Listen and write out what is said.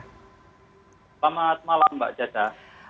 selamat malam mbak jada